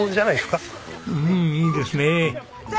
うんいいですね。